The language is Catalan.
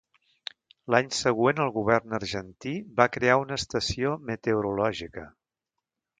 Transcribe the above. L'any següent el govern argentí va crear una estació meteorològica.